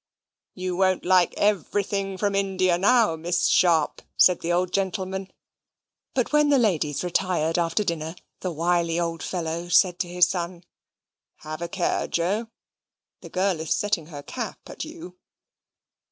"You won't like EVERYTHING from India now, Miss Sharp," said the old gentleman; but when the ladies had retired after dinner, the wily old fellow said to his son, "Have a care, Joe; that girl is setting her cap at you."